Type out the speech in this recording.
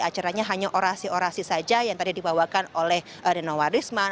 acaranya hanya orasi orasi saja yang tadi dibawakan oleh reno warisman